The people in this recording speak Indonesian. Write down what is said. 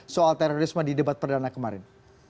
soal terorisme di debat perdana kemarin